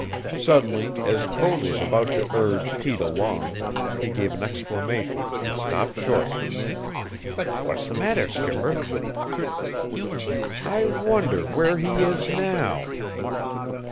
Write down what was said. Suddenly, as Code was about to urge Pete along, he gave an exclamation and stopped short. "What's the matter, skipper?" "I wonder where he is now?"